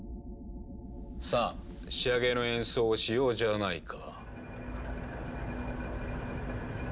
さあ仕上げの演奏をしようじゃあないか。